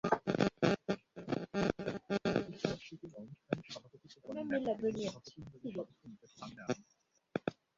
প্রতিষ্ঠাবার্ষিকীর অনুষ্ঠানে সভাপতিত্ব করেন ন্যাপের কেন্দ্রীয় সভাপতিমণ্ডলীর সদস্য মিসেস আমিনা আহমদ।